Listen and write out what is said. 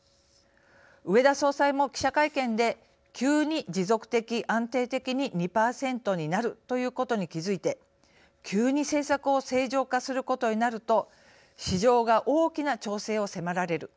植田総裁も記者会見で「急に持続的安定的に２％になるということに気付いて急に政策を正常化することになると市場が大きな調整を迫られる。